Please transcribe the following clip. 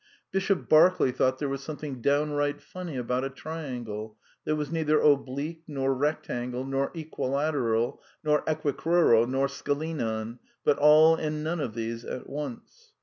Bishop Berkeley thought there was something downright funny about a triangle that was neither oblique nor rectangle nor equilateral nor equicrural nor scalenon, but " all and none of these at once."